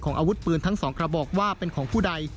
อาวุธปืนทั้งสองกระบอกว่าเป็นของผู้ใด